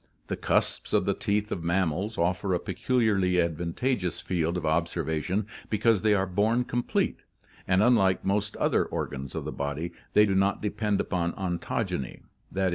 The cusps of the teeth of mammals offer a peculiarly advantageous field of observation because they are born complete, and unlike most other organs of the body, they do not depend upon ontogeny (t.